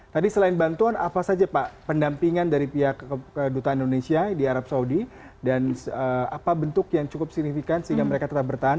tadi selain bantuan apa saja pak pendampingan dari pihak kedutaan indonesia di arab saudi dan apa bentuk yang cukup signifikan sehingga mereka tetap bertahan